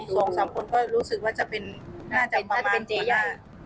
สองสามคนก็รู้สึกว่าจะเป็นน่าจะประมาณคุณหน้า